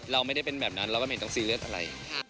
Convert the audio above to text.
เราไม่ได้เป็นแบบนั้นเราก็ไม่เห็นต้องซีเรียสอะไร